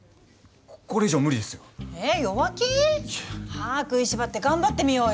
歯食いしばって頑張ってみようよ。